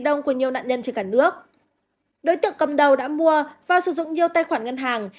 đối với nhiều nạn nhân trên cả nước đối tượng cầm đầu đã mua và sử dụng nhiều tài khoản ngân hàng